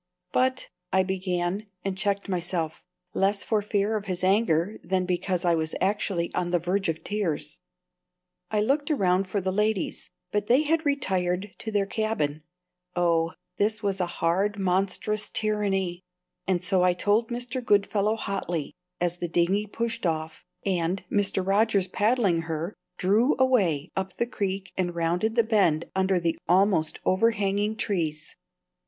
"But " I began, and checked myself, less for fear of his anger than because I was actually on the verge of tears. I looked around for the ladies, but they had retired to their cabin. Oh, this was hard a monstrous tyranny! And so I told Mr. Goodfellow hotly as the dinghy pushed off and, Mr. Rogers paddling her, drew away up the creek and rounded the bend under the almost overhanging trees.